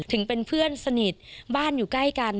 ถึงเป็นเพื่อนสนิทบ้านอยู่ใกล้กัน